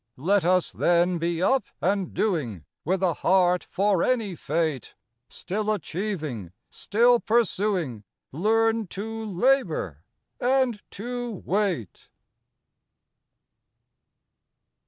Let us, then, be up and doing, With a heart for any fate ; Still achieving, still pursuing, Learn to labor and to wait.